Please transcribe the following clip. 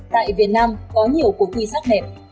tại việt nam có nhiều cuộc thi sắc đẹp